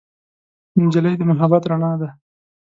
نجلۍ د محبت رڼا ده.